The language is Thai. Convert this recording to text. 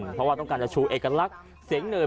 เพราะว่าต้องการจะชูเอกลักษณ์เสียงเนิน